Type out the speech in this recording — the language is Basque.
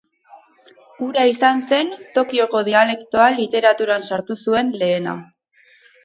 Hura izan zen Tokioko dialektoa literaturan sartu zuen lehena.